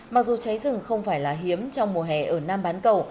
mặc dù cháy rừng không phải là hiếm trong mùa hè ở nam bán cầu